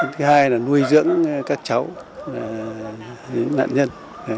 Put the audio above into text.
thứ hai là nuôi dưỡng các cháu nạn nhân